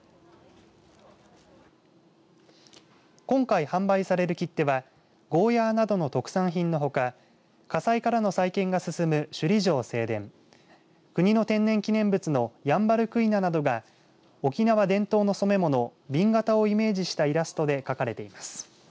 今回、販売される切手はゴーヤーなどの特産品のほか火災からの再建が進む首里城正殿国の天然記念物のヤンバルクイナなどが沖縄伝統の染め物紅型をイメージしたイラストで描かれています。